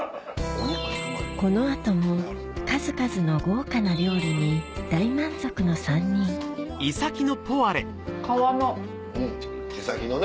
この後も数々の豪華な料理に大満足の３人皮の。